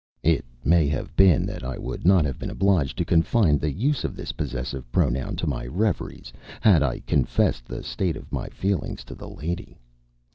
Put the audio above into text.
It may have been that I would not have been obliged to confine the use of this possessive pronoun to my reveries had I confessed the state of my feelings to the lady.